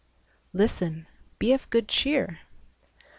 Listen ! Be of good cheer